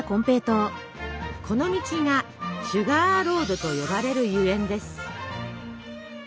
この道が「シュガーロード」と呼ばれるゆえんです。